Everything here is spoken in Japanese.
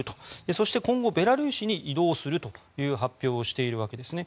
そして、今後ベラルーシに移動すると発表しているわけですね。